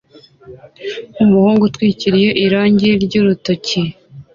Umuhungu utwikiriye irangi ry'urutoki